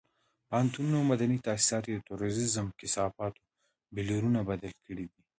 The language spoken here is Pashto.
پوهنتونونه او مدني تاسيسات یې د تروريزم کثافاتو بيولرونو بدل کړي دي.